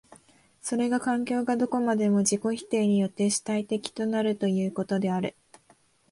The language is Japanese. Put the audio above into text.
それが環境がどこまでも自己否定によって主体的となるということである。